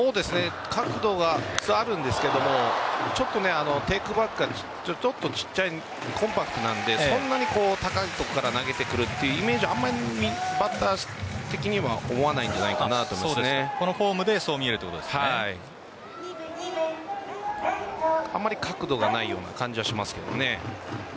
角度があるんですがちょっとテークバックがちっちゃいコンパクトなのでそんなに高いところから投げてくるというイメージはあんまりバッター的には思わないんじゃないかなとこのフォームであまり角度がないような感じはしますけどね。